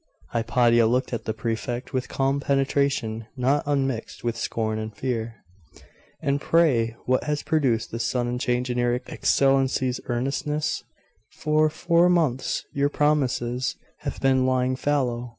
Hypatia looked at the Prefect with calm penetration, not unmixed with scorn and fear. 'And pray what has produced this sudden change in your Excellency's earnestness? For four months your promises have been lying fallow.